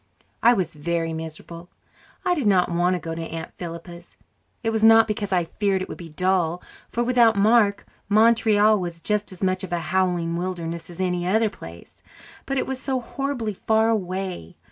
I was very miserable. I did not want to go to Aunt Philippa's. It was not because I feared it would be dull for without Mark, Montreal was just as much of a howling wilderness as any other place. But it was so horribly far away.